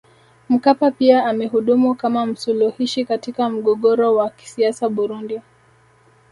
Mkapa pia amehudumu kama msuluhishi katika mgogoro wa kisiasa Burundi